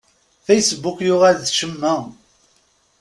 Facebook yuɣal d ccemma.